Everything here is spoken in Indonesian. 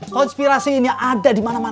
konspirasi ini ada di mana mana